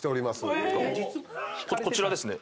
こちらですね。